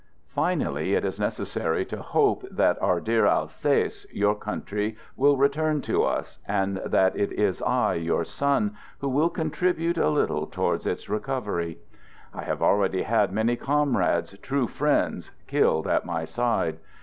Finally, it is necessary to hope that our ("Vive r Alsace" Letter) 157 158 "THE GOOD SOLDIER dear Alsace, your country, will return to us, and that it is I, your son, who will contribute a little towards its recovery. I have already had many comrades, true friends, killed at my side.